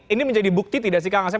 ini menjadi bukti tidak sih kang asep